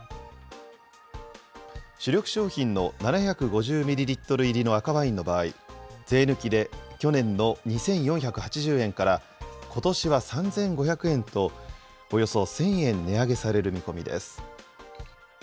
主力商品の７５０ミリリットル入りの赤ワインの場合、税抜きで去年の２４８０円からことしは３５００円と、およそ１０００円値上げされる見込みです。